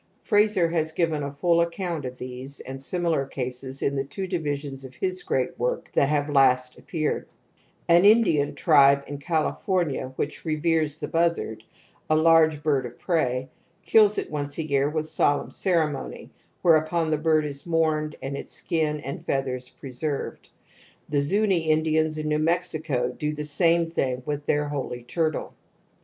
Frazer has given a full account of these and similar cases in the two divisions of his great work that have last appeared ^^ An Indian tribe in California which reveres the buzzard, a large bird of prey, kills it once a year with solemn ceremony, where upon the bird is mourned and its skin and feathers preserved. The Zuni Indians in New Mexico do the same thing with their holy turtle.